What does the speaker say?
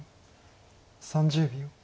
３０秒。